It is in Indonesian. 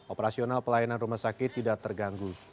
operasional pelayanan rumah sakit tidak terganggu